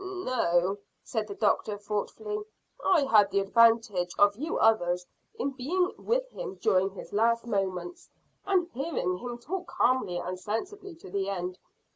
"No," said the doctor thoughtfully. "I had the advantage of you others in being with him during his last moments, and hearing him talk calmly and sensibly to the end.